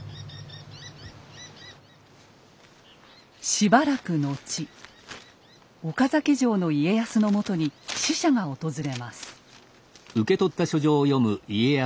しばらく後岡崎城の家康のもとに使者が訪れます。